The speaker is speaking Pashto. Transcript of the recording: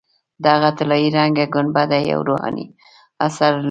دغه طلایي رنګه ګنبده یو روحاني اثر لري.